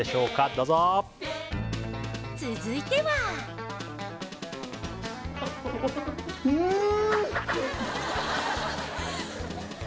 どうぞ続いてはうん！